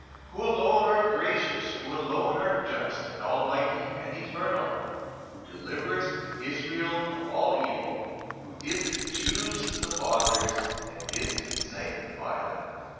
Who alone art gracious, who alone art just, and almighty, and eternal, who deliverest Israel from all evil, who didst choose the fathers, and didst sanctify them: 1:26.